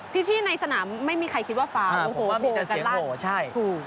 พิธีในสนามไม่มีใครคิดว่าฟ้าโหมกระตั้ง